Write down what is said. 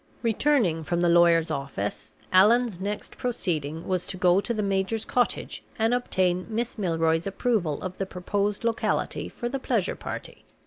Returning from the lawyer's office, Allan's next proceeding was to go to the major's cottage and obtain Miss Milroy's approval of the proposed locality for the pleasure party.